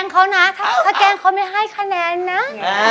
ถ้าแกงขอไม่ให้คะแนนนะ